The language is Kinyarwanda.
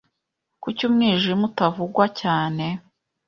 kuki umwijima utavugwa cyane,